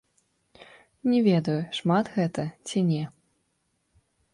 Не ведаю, шмат гэта ці не.